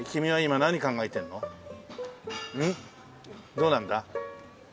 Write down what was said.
どうなんだ？